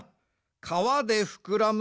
かわでふくらむ